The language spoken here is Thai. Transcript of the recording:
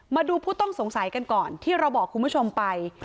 ผู้ต้องสงสัยกันก่อนที่เราบอกคุณผู้ชมไป